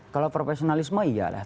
kalau profesionalisme iya lah